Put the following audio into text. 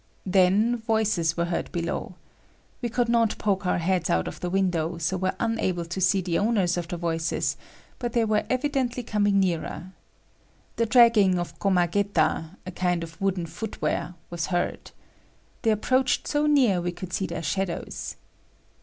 Then voices were heard below. We could not poke our heads out of the window, so were unable to see the owners of the voices, but they were evidently coming nearer. The dragging of komageta (a kind of wooden footwear) was heard. They approached so near we could see their shadows.